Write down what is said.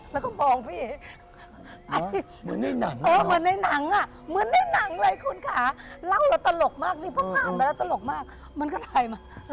แล้วก็มองพี่เหมือนในนังเหรอคุณค่ะเล่าแล้วตลกมากและก็มองอย่างต่อไป